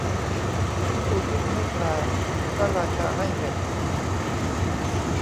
พี่ตูนวิ่งให้ปลา พระราชาให้เบ็ด